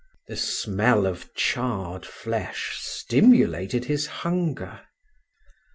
The smell of charred flesh stimulated his hunger.